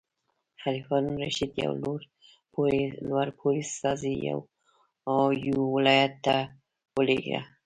خلیفه هارون الرشید یو لوړ پوړی استازی یو ولایت ته ولېږه.